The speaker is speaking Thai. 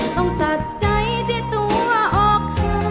ต้องตัดใจที่ตัวออกทาง